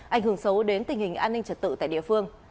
ảnh hưởng xấu đến tình hình an ninh trật tự tại địa phương